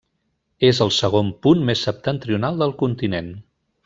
És el segon punt més septentrional del continent.